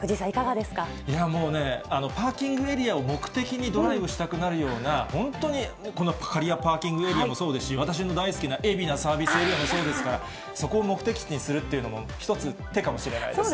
いや、もうね、パーキングエリアを目的にドライブしたくなるような、本当にこの刈谷パーキングエリアもそうですし、私の大好きな海老名サービスエリアもそうですから、そこを目的地にするというのも一つ、手かもしれないですね。